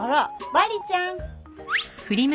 バリちゃん。